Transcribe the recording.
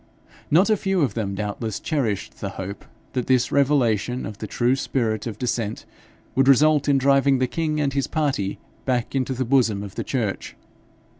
Not a few of them doubtless cherished the hope that this revelation of the true spirit of dissent would result in driving the king and his party back into the bosom of the church.